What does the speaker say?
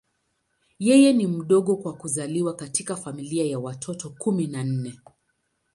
Yeye ni mdogo kwa kuzaliwa katika familia ya watoto kumi na nne.